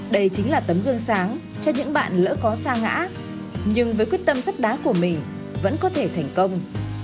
đây chính là tấm gương sáng cho những bạn lỡ có xa ngã nhưng với quyết tâm sắt đá của mình vẫn có thể thành công